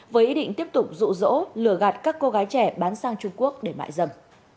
với ý định tiếp tục rụ rỗ lừa gạt các cô gái trẻ bán sang trung quốc để mại dầm